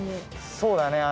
そうだね。